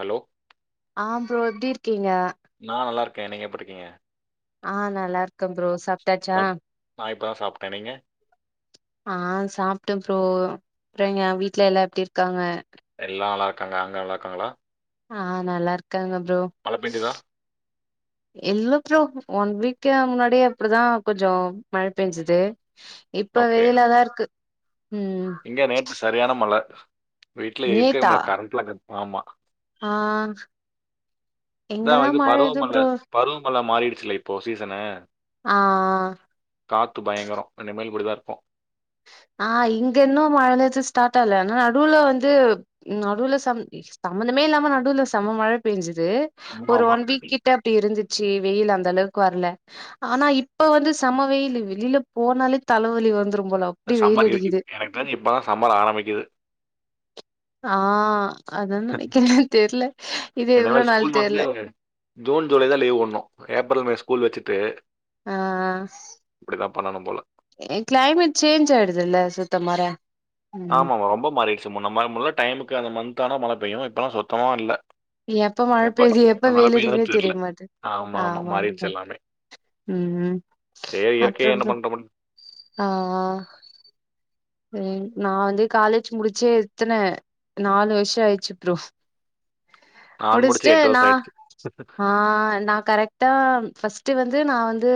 Hello ஆ ப்ரோம் எப்படி இருக்கீங்க நான் நல்லா இருக்கேன் நீங்க எப்படிக்கீங்க ஆஹ் நல்லா இருக்கே ப்ரோ சாப்பிட்டாச்சா தான் சாப்பிட்டேன் நீங்க ஆஹ் சாப்பிட்ட ப்ரோ அறங்க வீட்டு்ல எல்லாம் எப்படி இருக்காங்க எல்லாம் நல்லா இருக்காங்க அங்க நல்லா இருக்காங்களா ஆஹ் நல்லா இருக்கு சொல்லுங்க ப்ரோ மழை பெஞ்சுதா எல்லப்புறம் ஒன் வீக் முன்னாடியே அப்படிதான் கொஞ்சம் மழை பெயஞ்சுது இப்ப ஓகே வெயிலாதான் இருக்கு ம் இங்க நேற்று சரியான மழை வீட்டுல இருக்கமுடியலா கரன்ட் இல்லை ஆமா ஆஹ் எங்கெல்லாம் மழை இல்லை ப்ரோ படிச்சல்ல இப்போ சீசன ஆ ஆ காத்து பயங்கரம் இனிமே இப்படித்தான் இருக்கும் அப்ப ஆஹ் இங்க இன்னும் மழைந்தச்ச ஸ்டார்ட் ஆல ஆனா நடுவுல வந்து நடுவுல சமந்தமே இல்லாம நடுவுல செம்ம மழை பெயஞ்சுச்சது ஒரு ஆமா ஒன் வீக் ஆமா கிட்ட அப்படி இருந்துட்டு ச வெயில் அந்த அளவுக்கு வரல ஆனா இப்ப வந்து செம்ம வெயில் வெளியே போனாலே தலைவலி வந்துரும் போல அப்டி வெயில் சம்மர் அடிக்குது எனக்கு தெரி இப்பதான் சம்மர் ஆரம்பிக்குது ஆம் இது இனிமே எவ்ளோ நாள் ஸ்கூல் தெர்ல வந்து ஜூன் ஜூலை தான் லீவ் உடனும் ஏப்ரல் மே ஸ்கூல் வச்சி தே ஆஹ் பண்ணனும் போல க்ளைமேட் சேஞ்ஜாயிடுதுயில்ல சுத்த மற. ஆமாமா ரொம்ப மாறிடிச்சி முன்ன மா டைமுக்கு அந்த மந்த் ஆனா மழ அப்பும் இப்பல்லா சுத்தம வர்ல எப்ப மழை பெய்து எப்ப வெயில பெய்யுதான்னு அடிக்குதுனு தெரியல தெரியமாட்டே ஆமா ஆமா ம்ம் சரி இயற்கையை அப்புறம் என்ன ப்ரோ பண்ற முடியும் ஆ ஆ சேரி நா வந்து காலேஜ் முடிச்சே எத்தன நாலு வருஷோ ஆயிச்சு ப்ரோ நான் முடிச்சு முடிச்சுட்டு எட்டு நா வருஷம் ஆயிடுச்சு ஆஹ் நான் கரெக் ஃபஸ்ட் வந்து நான் வந்து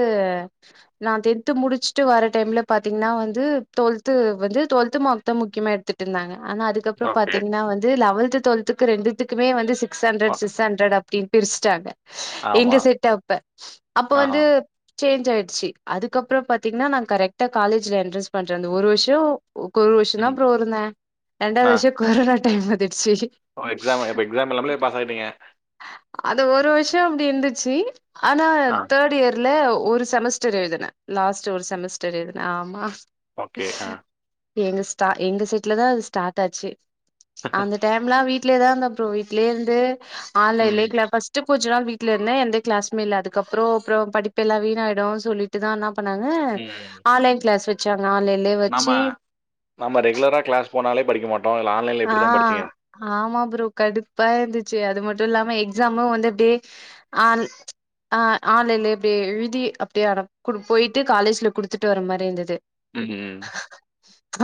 நா டென்த்து முடிச்சுட்டு வர டைம்ல பாத்தீங்கன்னா வந்து தோல் வந்து தொல்த்து மொத்தம் முக்கியமா எடுத்துட்டு இருந்தாங்க ஆனா அதுக்கப்பறோ ஓகே பாத்தீங்னா வந்து லெவல் த்து தொல்த்துக்கு ரெண்டுத்துக்குமே வந்து சி சிஸ் அண்ட்ரட் சிஸ்அண்ட்ரட் அப்டி பிருச்சிட்டாங்க எங்க ஆமா செட்டப்ப அப்ப ஆஹா வந்து சேஞ் ஆயிசு அதுக்கப்புறம் பாத்தீங்கன்னா நான் கரெக்ட காலேஜ்ல என்ட்ரன் பன்றே ஒரு வருஷம் ஒரு வருஷம் தான் ம் ப்ரோ இருந்தேன் ரெண்டாவதுவருடம் கொரனா அது எப்டி ஓ எக்ஸாம் இப்ப எக்ஸாம் எழுதமலே பாஸ் ஆயிட்டீங்க அது ஒரு வருஷம் அப்படி இருந்துச்சு ஆனா ஆ தேட் இயர் இல்ல ஒரு செமஸ்டர் எழுதின லாஸ்ட் ஒரு செமஸ்டர் எழுதினே ஆமா ஓகே ஆஹ எங்க எங்க செட்ல தான் அது ஸ்டார்ட் ஆச்சு அந்த டைம்லாம் வீட்டு வீ்ட்லே தான் ஃப்ரோ வீட்லயே இருந்து ம் ஆன்லைன் கிளாஸ் ஃபர்ஸ்ட் கொஞ்ச நாள் வீட்டுல இருந்தே எந்த கிளாஸ்மே இல அதுக்கப்புறம் அப்புறம் படிப்பு எல்லாம் வீண ஆயிடும் சொல்லிட்டுதான் பண்ணாங்க ஆன்லைன் கிளாஸ் வச்சு வச்சாங்க ஆன்லைன்லயே நம்ம நம்ம ரெகுலரா கிளாஸ் போனாலேபடிக்காம ஆஹ் ஆமா ப்ரோ கடுப்பா இருந்துச்சு அது மட் து இல்லாம எக்ஸாமு வந்து அப்டியே ஆன் ஆ ஆன்லைன்ல எப்டி எழுதி அப்டியே அத கூட போய்ட்டு காலேஜ்ல குடுத்துட்டு வர மாரி இருந்தது ம்ம்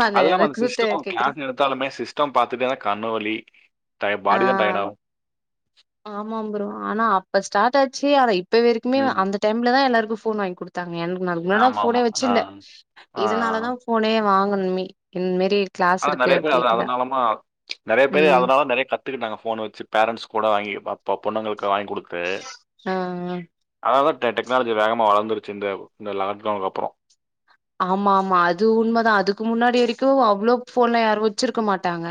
அது அதுல்லாம் அத அந்த கூத்த சிஸ்டம் கேக்குறீங் கிளாஸ் எடுத்தாலுமே சிஸ்டம் சிஸ்டம் பாத்துட்டேனா கண்ணுவலி டய பாடிதா ஆ டயேர்டு ஆகு ஆமா ப்ரோ ஆனா இப்ப ஸ்டார்ட் ஆச்சு ஆ இப்ப வரைக்குமே ம் அந்த டைம்லதா எல்லாரு ஃபோன் வாங்கி கொடுத்தா எனக்குக்கு அதுக்கு முன்னாலா ஆமாம் போனே ஆமாம் ஆ வச்சல ஆ ஆ. இதனால தான் போனே வாங்கணுமே ன் மேரி ஆனா நிறைய பேர் அதனாலமா நெறைய பேர் ம் அதனால நெறைய கத்துக்குடங்க போன வச்சு பேரண்ட்ஸ் கூட வாங்கி ஓ பொண்ணுங்கள்ளுக்கு வாங்கி கொடுக்கு ஆ ஆ அதாவத டெக்னாலஜி வேகமா வளர்ந்துருச்சு இந்த லாக்டவுனுக்கு அப்பறம் ஆமா ஆமா அது உண்மதான் அதுக்கு முன்னாடி வரைக்கும் அவ்வளவு போன்ல யாரும் வச்சிருக்க மாட்டாங்க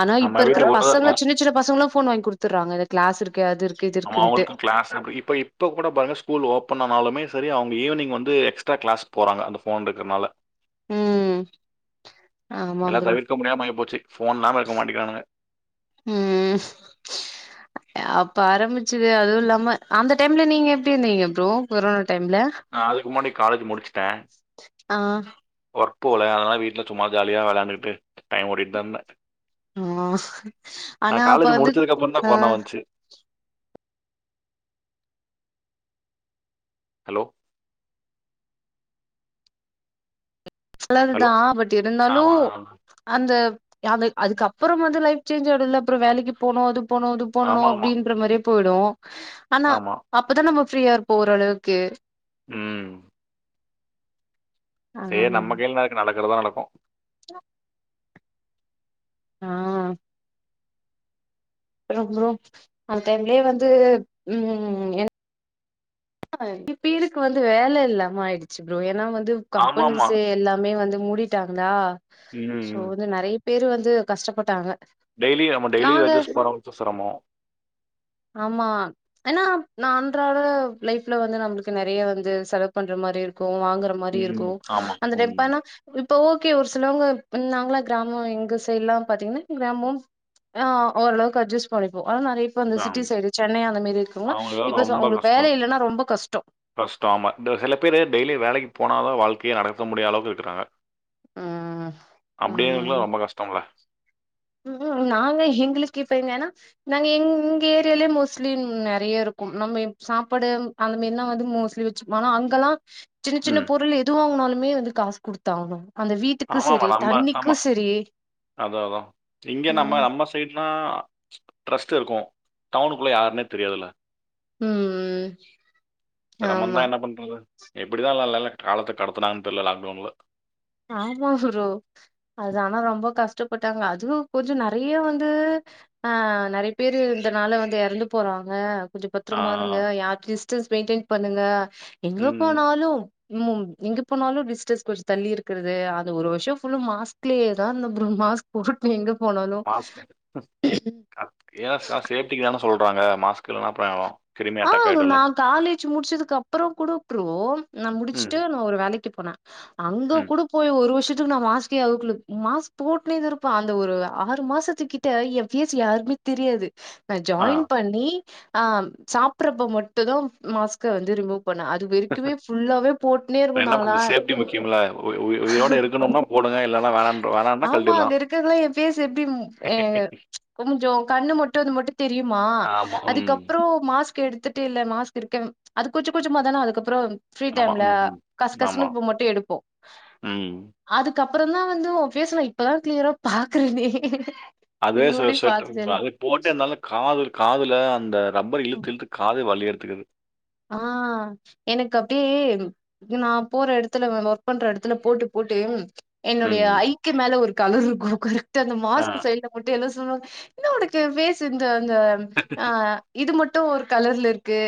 ஆனா இப்ப நம்ம இருக்கிற வீட்டுக்கு ஒண்ணுதான் பசங்க இருக்கோம் சின்ன சின்ன பசங்கள ஃபோன் வாங்கி குடுத்துறாங்க கிளாஸ் இருக் ஆமா அவங்களுக்கும் கிளாஸ் இருக்கு இப்ப இப்ப கூட பாருங்க ஸ்கூல் ஓபன் ஆனாலுமே சரி அவங் ஈவினி் வந்து எக்ஸ்ட்ரா கிளாஸ் போறாங்க அந்த போன் இருக்கிறனால ம் எல்லாம் ஆமாம்ப்ரோ தவிர்க்க முடியாம ஆயி போச்சு ஃபோன் இல்லாம இருக்க மாட்டேங்கிறானுங்க ம் இப்ப ஆரம்பிச்சுது அதுவும் இல்லாம அந்த டைம்ல நீங்க எப்டி இருந்தீங்க ப்ரோ கொரோனா டைம்ல நான் அதுக்கு முன்னாடி காலேஜ் முடிச்சுட்டேன் ஆ ஒர்க்போல அதனால வீட்டில் சும்மா ஜாலியா விளாண்டுட்டு டைம்ஓட்டு தந்தே ஹ ஆனா அப்ப காலேஜ் வந்து முடிச்சதுக்கு அப்புறம் தான் ஆ கொரோனா வந்துச்சு ஹலோ ஹலோ நல்லதுதான் பட் இருந்தாலு ஆமா அவ அதுக்கப்பறம் வந்து லைஃப் சேஞ்ச் ஆய்டுல அப்பறம் வேலக்கு போனோம் அது போனும் இது போகணும் ஆமா ஆமா அப்டின்ற மாரி போய்டும் ஆனா ஆமா. அப்தான் நம்ம ஃப்ரீயா இரு போர அளவுக்கு ம் ஆ சே நம்ம கைல நடக்கறது தான் நடக்கும் [unintelligible] [inaudible] ஆ ரொம்ப அந்தடைம்லயே வந்து ம் என் ஹ இப்பருக்கு வந்து வேல இல்லாம ஆயிடுச்சு ப்ரோ ஏன்னா வந்து ம் ஆமாமா. கம்பெனிஸ் எல்லாமே வந்து மூடிட்டாங்களா ம். சோ ம். வந்து நெறைய பேரு வந்து கஷ்டப்பட்டாங்க டெய்லி நம்ம டெய்லி நாங்க அட்ஜஸ்ட் பண்ணணு சிரமம் நா அன்றாட லைஃப்ல வந்து நம்மளுக்கு நிறைய வந்து செலவு பண்ற மாதிரி இருக்கும் இப்போ வாங்கற மாதிரி ம். இருக்கும் ஆமா. அந்த ம். டைனா இப்போ ஓகே ஒரு சிலவங்க நாங்களாம் கிராமம் எங்க சைடலாம் பார்த்தீங்கன்னா கிராமம் ஆ ஓரளவுக்கு அட்ஜஸ்ட் பண்ணிப்போம் ஆ நெறைய பேர் அந்த சிட்டி ஆம். சைடு சென்னை அந்த மாரி இருக்குறவங்க அவங்களுக்கெல்லாம் இப்ப ஸ் ரொம்ப அவங்களுக்கு வேல கஷ்டம். இல்லன்னா ரொம்ப கஷ்டம். கஷ்டம் ஆமா இந்த சில பேரு டெய்லி வேலைக்கு போனாத வாழ்க்கையை நடக்க முடியாத அளவுக்கு விட்டுறாங்க ம் அப்டி ஆமா. எனக்கெல்லாம் ரொம்ப கஷ்டம் இல்ல ம் நாங்க எங்களுக்கு இப்பங்க ஏன்னா நாங்க எ இங்க ஏரியாலேயே மோஸ்ட்லி நெறைய இருக்கும் நம்ம சாப்பாடு அந்த மாரி எல்லாம் வந்து மோஸ்ட்லி வச்சுப்போம் ஆனா அங்கல்லாம் சின்ன சின்ன ம். பொருள் எது வாங்கனாலு வந்து காசு கொடுத்தாங்கணும் அந்த வீட்டுக்கும் ஆமாமா. செரி நம்ம ஆமா. தண்ணீக்கும் செரி அதான், அதான். இங்க நம்ம ம் நம்ம சைடு நா ட்ரஸ்ட் இருக்கும் டவுனுக்குள்ள யாருன்னே தெரியாதுல ம் ம் சிரமம் தா ஆமா என்ன பண்றது எப்டிதான் நல்ல காலத்தை கடத்துனாங்க தெரியல லாக்டவுன்ல ஆமா குரோ அதானா ரொம்ப கஷ்டம் கஷ்டப்பட்டாங்க அதுவும் கொஞ்சம் நெறைய வந்து ஆஹ நெறைய பேரு இந்தனால வந்து எறந்து போறாங்க கொஞ்சம் ஆ. பத்திரமா இருங்க யாலிஸ்ட் ஜஸ்ட் [inaudible] பண்ணலா எங்க ம். போனாலும் உம் எங்க போனாலும் விஸ்டஸ் கொஞ்சம் தள்ளி இருக்கு இருகிறது அது ஒரு வருஷம் மாஸ்லேதான்இருந்தே ப்ரோ மாஸ் போட்டு எங்க போனாலு யான் சார் செப்டிக் தானே சொல்றாங்க மாஸ்க் இல்லன்ன பயம்வரும் ஆஹ் நான் காலேஜ் முடிச்சதுக்கு அப்புறம் கூட புரோ நான் ம் முடிச்சுட்டு நான் ஒரு வேலைக்குப் அப்ப அங்க ம் கூட போய் ஒரு வருஷத்துக்கு மாஸ்க் போட்டுனே த இருப்ப அந்த ஒரு ஆறு மாசத்து கிட்ட என் பேஸ் யாருக்குமே தெரியாது நா ஆ ஜாயின் பண்ணி ஆஹ் சாப்பறப்ப மட்டும் தான் மாஸ்க்க வந்து ரிமுப என்ன பண்ண இருக்கணுனாங்களா சேப்டி முக்கியம்ல உயிரோடு இருக்கணும்னா போடுங்க இல்லைன்னா வேணான்ற வேணான்னா ஆமா அங்க கழட்டிடலாம் இருக்கிறதுல்லாம் என் பேஸ் எப்படிஹ கொஞ்சம் கண்ணு மட்டும் அது மட்டும் தெரியுமா ஆமா ம் அதுக்கப்புறம் மாஸ்க் ரிஸ்க் எடுத்துட்டு இலை மாஸ்க் இருக்க அது கொஞ்ச கொஞ்சமா தானா அதுக்கப்புறம் ப்பிரீ ஆமா டைம்ல ம் ம். கச ஆமா கசனுக்கு போ மட்டும் எடுப்போம் ம் அதுக்கப்புறம் அப்புறம் தான் வந்து உன் பேஸ் இப்பதான் கிளியரா பாக்குறேனே அதுவே இது செல முன்னாடி செட் பாத்ததே ன்ப்பா இல்ல போட்டு காது காதுல அந்த ரத் ரபரா இழுத்துஇழுத்து காதே வலிய இருக்கு திக்கு ஆ எனக்கு அப்டியே நான் போற இடத்துல ஒர்க் பண்ற இடத்துல போட்டு போட்டு என்னுடைய ம் ஐக்கு மேல ஒரு கலரு குர்குரு அந்த ஆ மாஸ்க் சைடு போட்டா என்ன சொன்னாலும் இன்ன உனக்கு பேச இந்த இந்த அ இது மட் இது ஒரு கலர்ல இருக்கு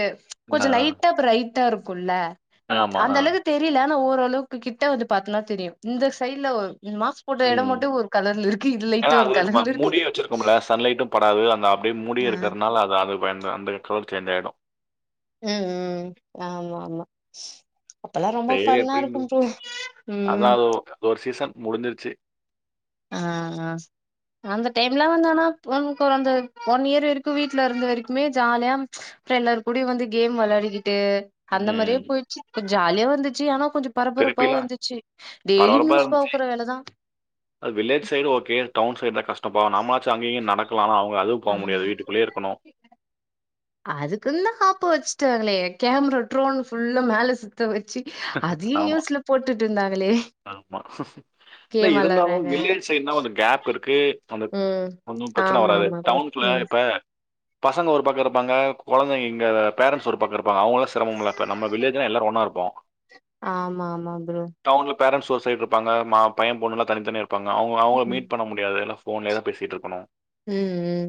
கொஞ்ச ஆ லைட்டா பிரைட்டா இருட்ட இருக்கும்ல ஆமா அந்த ஆ அளவுக தெரியலனா ஒரு அந்த ளவுக்கு கிட்ட வந்து பார்த்தனா தெரியும் இந்த சைடல ஒரு உம் கலர்ல இருக்கு இது ஏானா லைட்டா ஒரு அது நம்ம கலர்ல இருக்கு மூடி வச்சிருக்க முடிய சன்லைட்டும் படாது அந்த அப்படியே ஆ மூடியேஇருக்கிரதுநாள இருக்கிறதுனால அது அது அந்த கலர் சேஞ்ச் ஆயிடும் உ உம் ஆமா ஆமா அப்பல்லாம் ரொம்ப பேரு ஃபன்னா எப்புடின்னு இருக்கும் ப்ரோ ம் அதான் அது ஒரு சீசன் முடிஞ்சிருச்சு ஆஹ்ஹ அந்த டைம் எலாம் வந்துனா அந்த ஒன் இயர் வரைக்கும் வீடல இருந்த வரைக்குமே ஜாலியா அப்பரம் எல்லாரு கூடயும் வந்து கேம் விளையாடிக்கிட்டு ஏ அந்த ம். மாரியே போய்ட்ச்சு ஜாலியா வந்துச்சு ஆனப் கொஞ்சம் திருப்பிலாம் பரபரப்பாவும்இருந்துச்சு டெய்லி பரபரப்பா நியூஸ் இருந்துச்சு பாக்குற வேலதா வில்லேஜ் சைடு ஓகே அந்தசைடு கஷ்டப்பா அம்மச்சு அங்கயும் இங்கயும் நடக்கலான அவ ஹ் அதுக்கு தான் ஆப்பு வச்சுட்டா லே கேமரா ட்ரோன்புல்ல மேல சுத்த வே ஆமா இருந்தாங்களே ஆமா இல்ல கேம் வெளாடுறாங்க இருந்தாலும்வில்லேஜ் சைடுனா கேப் இருக்கு அந்த ம் ஒன்னும் பிரச்சன ஆமா வராது ஆமா ப்ரோ டவுன்குள்ள ம் இப்ப பசங்க ஒரு பாக்க இருப்பாங்க கொழந்தைங்க பேரன்ஸ் ஒரு பாக்க இருப்பா அவங்கள சிரமங்கள இரு நம்ம வில்லேஜ்லாம் எல்லார ஒன்னா இருப்போ ஆமா ஆமா ப்ரோ பேரன்ஸ் ஒரு சைடு இருப்பங்க அம்மா பையன் பெண்ணலாம் தனித்தனி இருப்பாங்க அவங்க அவங்க ம் மீட் பண்ண முடியாது எல்ல பேன்னே தான் பேசிட்டு இருக்கணும் உம் உம்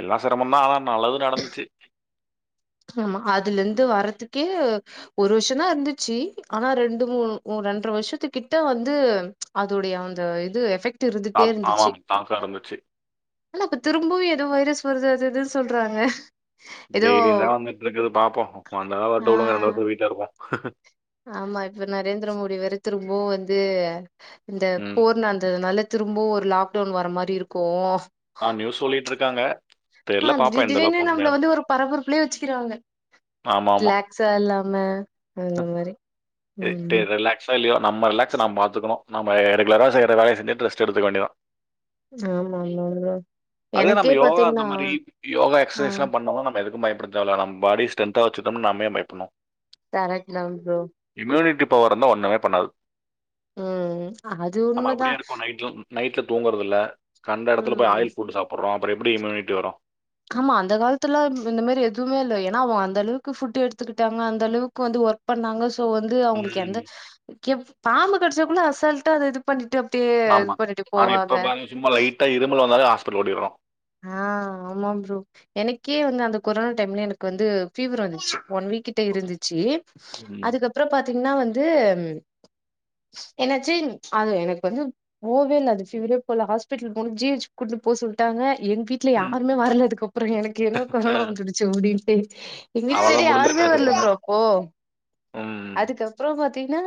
எல்லாம் சிரமம் தான் ஆனா நல்லது நடந்துச்சு ஆமா அதுல இருந்து வரறதுக்கே ஒரு வருஷனா இருந்துச்சு ஆனா ரெண்டு மூண்ணு ரெண்ர வருஷத்துக்கிட்ட வந்து அதோடைய அந்த இது எஃபெக்ட் இருந்துட்டே தாக் ஆமா இருந்துச்சு தாக்கம் இருந்துச்சு ஆனா இப்ப திரும்பவும் ஏதோ வைரஸ் வருது அது எதுன்னு சொல்றாங்க ஏதோ டெய்லிலா அவங்க இக்கு இது பாப்போம் வந்த ஆ வரட்டும் வட்ட விங்க ரெண்டுநாள் வீட்டுள இருப்போம் [unintelligible] ஆமா இப்ப நரேந்திர மோடி வேற திரும் ஒ இத்து இந்த ம் போர் நடந்ததுனால திரும்பவும் ஒரு லாக்டவுன் வர மாரி இருக்கும் ஆஹ் நியூஸ் சொல்லிட்டு இருக்காங்க தெரியல ஆஹ் பாப்போம் திடீர் எந்த திடீர்னு அளவுக்கு நம்ம உண்மையானு வந்து ஒரு பரபரப்புலயே வச்சுக்காங்க ஆமா ஆமா ரிலாக்சால்லாம ஆ ரிலாக்ஸா இல்லையோ நம்ம ரிலாக்ஸ் நம்ம பாத்துக்கணும் நம்ம ரெகுலராக செய்கிற வேலைய செஞ்சுட்டு ரேஸ்டு எடுத்துக வேண்டியதா ஆமா ஆமா ஆமா அதே எனக்கே நம்ம யோக அந்த பாத்தீங்கன்னா மாரி ஆ. யோகாஎக்சசைஸ் லாம் பண்ணம்ன நம்ம எதுக்கும் பயப் தேவல்லா நம் பாடிஸ்டேன்தா வச்சிடம் நாமயப்பயப்புணும் காரேக்தான் புரோ இப்ப வரேந்தா ஒண்ணுமே பண்ணாது ம் அது உண்மதான் நையிட்ல தூங்குறதுயில்ல கண்ட இடத்துல போய் ஆயில்ஸ் சாப்பறோம் அப்றம் எப்டி இம்யூனிட்டி வரும் ஆமா அந்த காலத்துல இந்த மாரி எதுவுமே இல்ல ஏன்னா அவங்க அந்த அளவுக்கு புட் எடுத்துக்கிட்டாங்க அந்த அளவுக்கு வந்து ஒர்க் பண்ணாங்க சோ வந்து அவங்களுக்கு எந்த ம் கிஃ பாம்பு கடிச்சக்குள்ள அசல்ட்டா அத இது பண்ணிட்டே அப் ஆமா ஆனா இப்ப பாருங்க சும்மா லைட்டா இருமல் வந்தாவே ஓடி வரோம் ஆ ஆமா ப்ரோ எனக்கே வந்து அந்த கொரோனா டைம்ல எனக்கு வந்து ஃப்வர் வந்துச்சு ஒன் வீக்கிட்ட இருந்துச்சு ம் அதுக்கப்பறம் பாத் பாத்திங்கான வந்து என்னாச்சி அது எனக்கு வந்து போவே இல்ல பிவரே போல ஹாஸ்பிடல் போனும் ஜி ஹாச் கூட்னு போக சொல்லிடாங்க எங்க வீட்டு்ல ம். யாருமே வரல அதுக்கப்பறம் எனக்கு ஏனோ ஆ. கொரோனா வந்துடுச்சு அப்டின்னு எங்க வீட்ல அவ்வளோதான் இருந்து முடிஞ்சதுன்னு யாருமே நினச்சிருப்பாங்க வர்லப்ரோ அப்போ ம் அதுக்கப்றோம் பாத்த பாத்தீங்கனா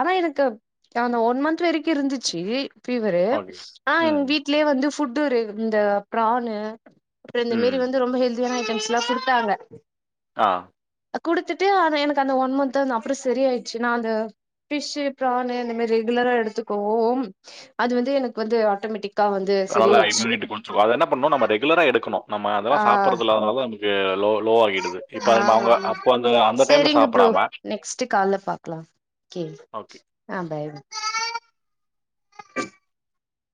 ஆனா எனக்கு அந்த ஒன் மந்த் வரக்கிம் இருந்துச்சி ப்பீவரு ஓகே ஆ ம் எங்வீட்லயே வந்து ஃபுட் ஃபுட்டுரே இந்த பிரானு அப்ப இந்த ம் மாரி வந்து ரொம்ப ஹெல்தி கெல்தியான ஐய்டம்ஸ் எல்லாம் கொடுத்தாங்க ஆ கொடுத்துட்டு எனக்கு அந்த ஒன் மந்த் அந்த அப்பறம் செரியாயிடுச்சு நான் அந்த ஃப்பிஷ்சு பிரானு இந்த மாரி ரெகுலரா எடுத்துக்குவோம் அது வந்து எனக்கு வந்து ஆட்டோமேட்டிக் அப்ப வந்து சரியயிடுச்சு அது என்ன பண்ணணும் நம்ம ரெகுலரா எடுக்கணும் நம்ம ஆ அதல்லாம் சாப்பறதுயில்லா அதனால தான் நமக்கு லோ லோ ஆகிடுது இப்போ ஆமா அவங்க ஆமா அப்போ அந்த அந்த டைம்ல செரிங்க ப்ரோ சாப்பிடாம நெக்ஸ்ட்டு கால்ல பாக்கலாம் ஓகே ஓகே ஆ பாய்